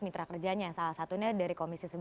mitra kerjanya salah satunya dari komisi